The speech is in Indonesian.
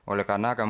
oleh karena kami